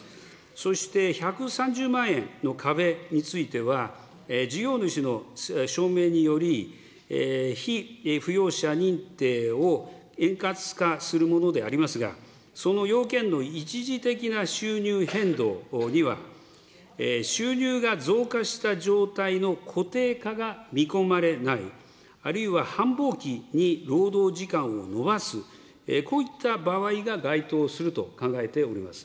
そして１３０万円の壁については、事業主の証明により、被扶養者認定を円滑化するものでありますが、その要件の一時的な収入変動には、収入が増加した状態の固定化が見込まれない、あるいは繁忙期に労働時間を延ばす、こういった場合が該当すると考えております。